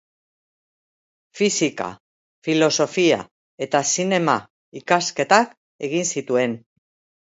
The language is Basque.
Fisika, filosofia eta zinema-ikasketak egin zituen.